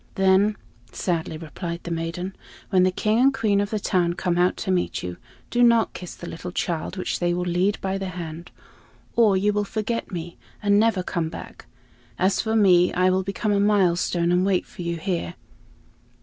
"Then," sadly replied the maiden, "when the King and Queen of the town come out to meet you, do not kiss the little child which they will lead by the hand, or you will forget me and never come back. As for me, I will become a milestone and wait for you here."